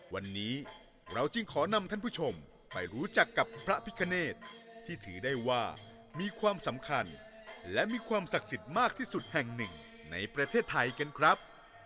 วันนี้เราจึงขอนำท่านผู้ชมไปรู้จักกับพระพิคเนตที่ถือได้ว่ามีความสำคัญและมีความศักดิ์สิทธิ์มากที่สุดแห่งหนึ่งในประเทศไทยกันครับ